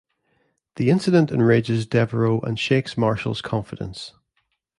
The incident enrages Deveraux and shakes Marshall's confidence.